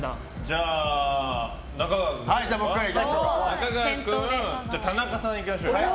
じゃあ、中川君から。田中さんいきましょう。